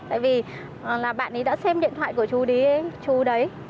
bởi vì bạn ấy đã xem điện thoại của chú đấy